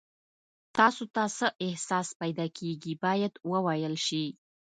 تاسو ته څه احساس پیدا کیږي باید وویل شي.